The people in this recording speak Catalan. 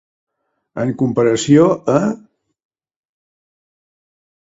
En comparació a.